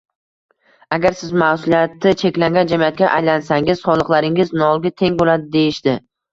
agar siz ma’suliyati cheklangan jamiyatga aylansangiz, soliqlaringiz nolga teng bo‘ladi, deyishdi.